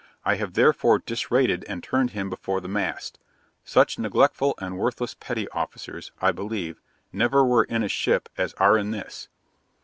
I have therefore disrated and turned him before the mast; such neglectful and worthless petty officers, I believe, never were in a ship as are in this.